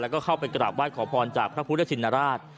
แล้วก็เข้าไปกราบไห้ขอพรจากพระพุทธชินราช